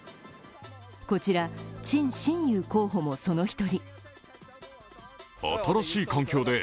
こちら、陳進雄候補もその１人。